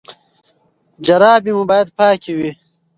جرابې مو باید پاکې وي.